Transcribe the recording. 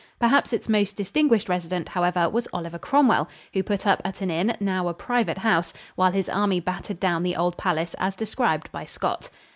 Perhaps its most distinguished resident, however, was Oliver Cromwell, who put up at an inn, now a private house, while his army battered down the old palace as described by Scott.